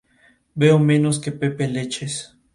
Parte de su poesía ha sobrevivido hasta hoy.